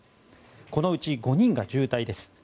このうち５人が重体です。